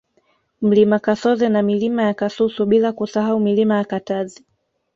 Mlima Kasoze na Milima ya Kasusu bila kusahau Milima ya Katazi